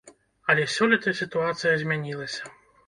Але сёлета сітуацыя змянілася.